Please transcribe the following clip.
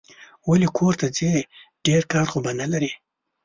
ولي کورته ځې ؟ ډېر کار خو به نه لرې